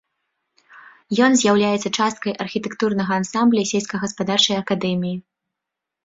Ён з'яўляецца часткай архітэктурнага ансамбля сельскагаспадарчай акадэміі.